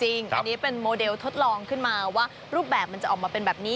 อันนี้เป็นโมเดลทดลองขึ้นมาว่ารูปแบบมันจะออกมาเป็นแบบนี้